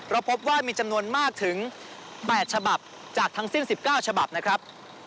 พบว่ามีจำนวนมากถึง๘ฉบับจากทั้งสิ้น๑๙ฉบับนะครับ